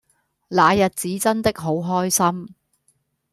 那日子真的好開心